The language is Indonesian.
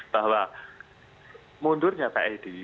karena mundurnya pak edi